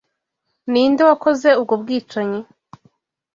Ninde wakoze ubwo bwicanyi?